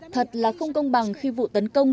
thật là không công bằng khi vụ tấn công